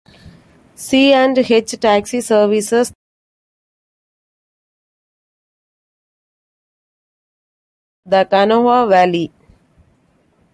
C and H Taxi services the Kanawha valley.